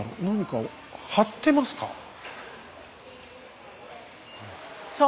何かを貼ってますか？